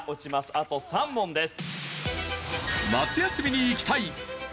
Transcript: あと３問です。